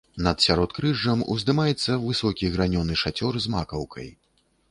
Над сяродкрыжжам уздымаецца высокі гранёны шацёр з макаўкай.